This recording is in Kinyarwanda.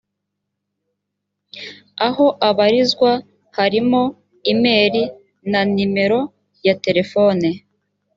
aho abarizwa harimo e mail na nimero ya telefone